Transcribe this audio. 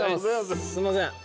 すいません。